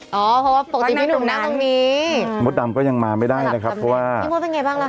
อ๋อเพราะว่าปกติไม่ตรงนั้นตรงนี้อืมมดดำก็ยังมาไม่ได้นะครับเพราะว่านี่ว่าเป็นไงบ้างล่ะค่ะ